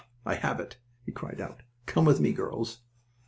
"Ah, I have it!" he cried out. "Come with me, girls!"